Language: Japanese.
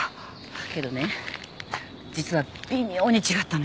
けどね実は微妙に違ったのよ。